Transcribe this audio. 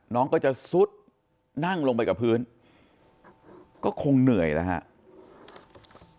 น้องก็จะซุดนั่งลงไปกับพื้นก็คงเหนื่อยแล้วครับ